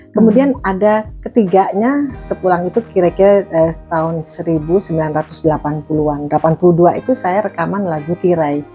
kemudian ada ketiganya sepulang itu kira kira tahun seribu sembilan ratus delapan puluh an delapan puluh dua itu saya rekaman lagu tirai